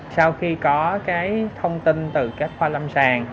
sau khi có thông tin từ các khoa lâm sàng